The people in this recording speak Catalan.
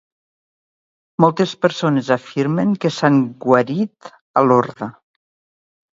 Moltes persones afirmen que s'han guarit a Lorda.